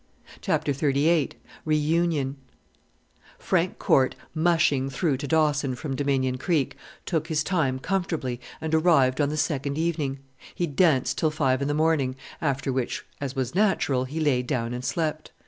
CHAPTER XXXVIII REUNION Frank Corte, "mushing" through to Dawson from Dominion Creek, took his time comfortably and arrived on the second evening. He danced till five in the morning, after which, as was natural, he lay down and slept.